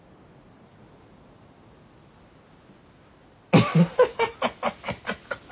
アハハハハハハ。